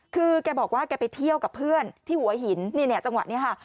คือแกบอกว่าเธอกับเพื่อนที่หัวหินเนื้อจังหวะเนี้ยค่ะ